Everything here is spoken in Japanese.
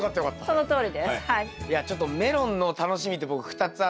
そのとおりです。